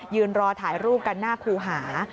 รอถ่ายรูปกันหน้าครูหา